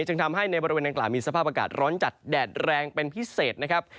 จึงทำให้ในบริเวณดังกล่าวมีสภาพอากาศร้อนจัดแดดแรงเป็นพิเศษนะครับ